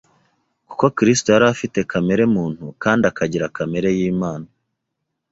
kuko Kristo yari afite kamere muntu, kandi akagira kamere y’Imana,